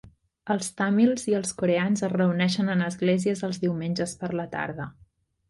Els tàmils i els coreans es reuneixen en esglésies els diumenges per la tarda.